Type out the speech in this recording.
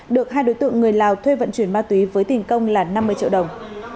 được hai đối tượng người lào thuê vận chuyển ma túy với tiền công là năm mươi triệu đồng